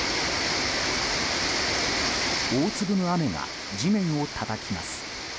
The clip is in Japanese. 大粒の雨が地面をたたきます。